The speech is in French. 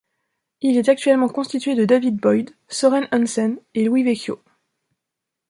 Il est actuellement constitué de David Boyd, Søren Hansen et Louis Vecchio.